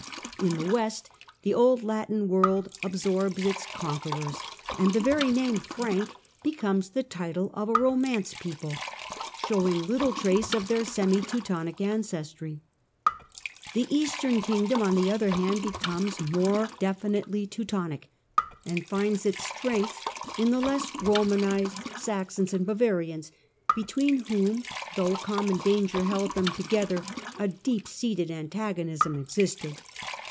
In the West the old Latin world absorbs its conquerors, and the very name " Frank " becomes the title of a Romance people, showing little trace of their semi Teutonic ancestry 7 . The. Eastern kingdom, on the other hand, becomes more definitely Teutonic, and finds its strength in the less Romanised Saxons and Bavarians, between whom, though common danger held them together, a deep seated antagonism existed.